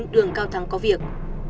đường cao thắng có việc